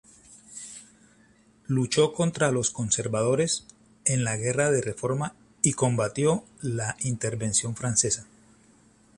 Luchó contra los "conservadores" en la Guerra de Reforma y combatió la Intervención francesa.